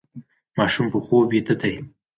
ماشوم په خوب ویده دی.